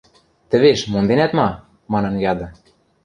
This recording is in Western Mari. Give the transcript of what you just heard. Тӹвеш, монденӓт ма? – манын яды